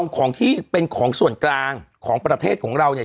ของที่เป็นของส่วนกลางของประเทศของเราเนี่ย